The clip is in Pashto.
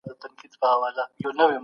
سیال هیواد بشري حقونه نه محدودوي.